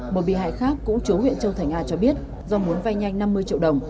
một bị hại khác cũng chú huyện châu thành a cho biết do muốn vay nhanh năm mươi triệu đồng